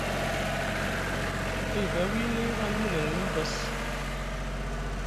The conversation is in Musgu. A yiva wini aŋ limi neŋ ni mini bass.